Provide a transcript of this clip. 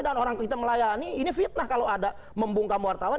dan orang kita melayani ini fitnah kalau ada membungkam wartawan